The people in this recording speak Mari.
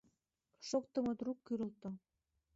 Шоктымо трук кӱрылтӧ.